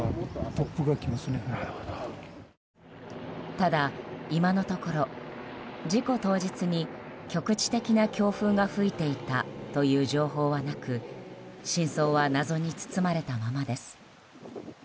ただ、今のところ事故当日に局地的な強風が吹いていたという情報はなく真相は謎に包まれたままです。